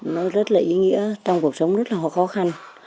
nó rất là ý nghĩa trong cuộc sống rất là khó khăn